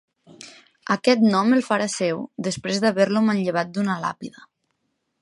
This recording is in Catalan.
Aquest nom el farà seu, després d’haver-lo manllevat d’una làpida.